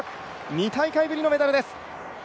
２大会ぶりのメダルです。